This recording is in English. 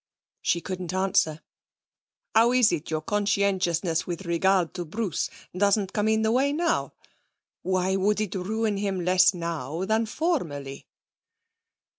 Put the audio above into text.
She couldn't answer. 'How is it your conscientiousness with regard to Bruce doesn't come in the way now? Why would it ruin him less now than formerly?'